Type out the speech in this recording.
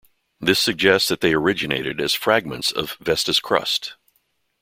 This suggests that they originated as fragments of Vesta's crust.